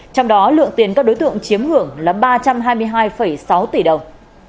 trong đó lượng tiền các đối tượng chiếm hưởng là ba trăm hai mươi hai sáu tỷ đồng